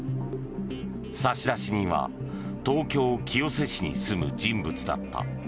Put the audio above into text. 差出人は東京・清瀬市に住む人物だった。